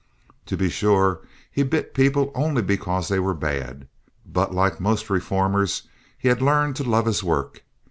To be sure, he bit people only because they were bad, but, like most reformers, he had learned to love his work.